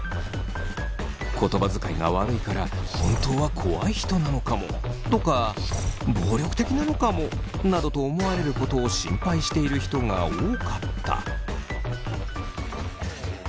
言葉遣いが悪いから本当は怖い人なのかもとか暴力的なのかもなどと思われることを心配している人が多かった。